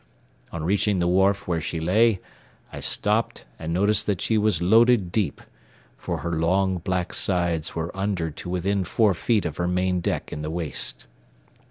On reaching the wharf where she lay, I stopped and noticed that she was loaded deep, for her long black sides were under to within four feet of her main deck in the waist.